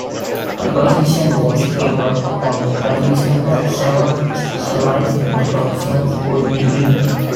Permission was given, on the condition that several specialized instructions would be removed.